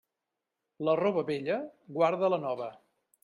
La roba vella guarda la nova.